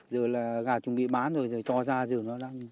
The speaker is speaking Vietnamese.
giờ là gà chuẩn bị bán rồi rồi cho ra rồi nó ra